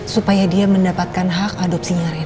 supaya dia mendapatkan hak adopsinya